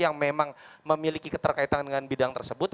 yang memang memiliki keterkaitan dengan bidang tersebut